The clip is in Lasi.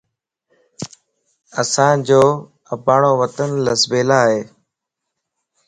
اسانجو اباڻون وطن لسيبلا ائي